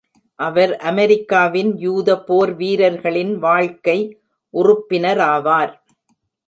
அவர் அமெரிக்காவின் யூத போர் வீரர்களின் வாழ்க்கை உறுப்பினராவார்.